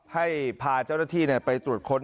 ให้พาเจ้าหน้าที่ไปตรวจค้น